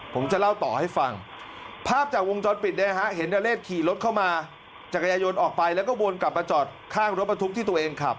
ผมจะเล่าต่อให้ฟังภาพจากวงจรปิดเนี่ยฮะเห็นนเรศขี่รถเข้ามาจักรยายนต์ออกไปแล้วก็วนกลับมาจอดข้างรถบรรทุกที่ตัวเองขับ